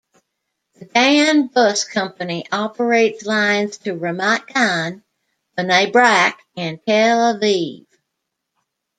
The Dan bus company operates lines to Ramat Gan, Bnei Brak and Tel Aviv.